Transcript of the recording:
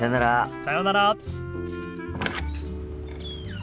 さようなら。